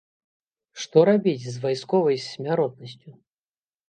Што рабіць з вайсковай смяротнасцю?